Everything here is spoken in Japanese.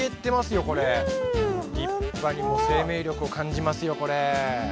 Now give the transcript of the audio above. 立派にもう生命力を感じますよこれ。